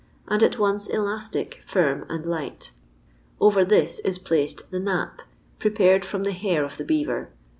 and at once elastic, I firm, and light. Over this is placed the nap, pre ■ pared from the hair of the beaver.